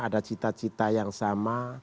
ada cita cita yang sama